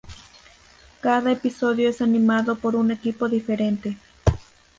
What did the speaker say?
Cada episodio es animado por un equipo diferente.